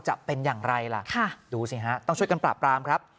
จะเป็นอย่างไรล่ะดูสิฮะต้องช่วยกันปราบปรามครับ